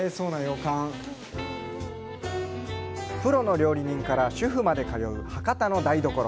プロの料理人から主婦まで通う博多の台所。